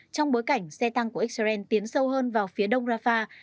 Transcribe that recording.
trong bối cảnh xe tăng của israel tiến sâu hơn vào phía đông rafah